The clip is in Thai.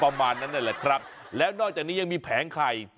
ประมาณนั้นนั่นแหละครับแล้วนอกจากนี้ยังมีแผงไข่